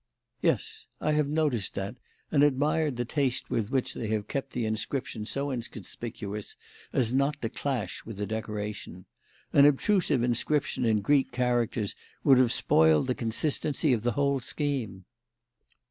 "Yes. I have noticed that and admired the taste with which they have kept the inscription so inconspicuous as not to clash with the decoration. An obtrusive inscription in Greek characters would have spoiled the consistency of the whole scheme."